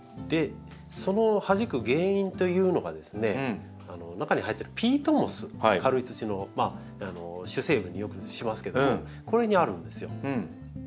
そのはじく原因というのがですね中に入ってるピートモス軽い土の主成分によくしますけどもこれにあるんですよ。